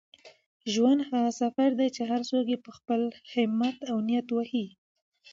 ژوند هغه سفر دی چي هر څوک یې په خپل همت او نیت وهي.